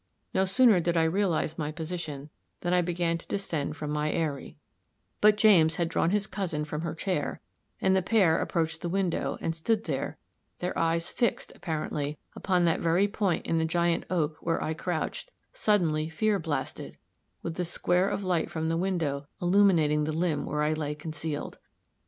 No sooner did I realize my position than I began to descend from my eyrie; but James had drawn his cousin from her chair, and the pair approached the window, and stood there, their eyes fixed, apparently, upon that very point in the giant oak where I crouched, suddenly fear blasted, with the square of light from the window illuminating the limb where I lay concealed.